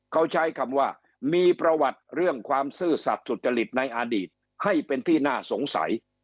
เขาใช้คำว่ามีประวัติเรื่องความซื่อสัตว์สุจริตในอดีตให้เป็นที่น่าสงสัย